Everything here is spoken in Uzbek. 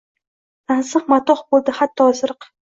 Tansiq matoh bo’ldi hatto isiriq.